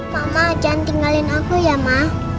mama jangan tinggalin aku ya ma